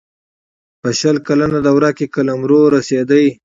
په شل کلنه دوره کې قلمرو رسېدی.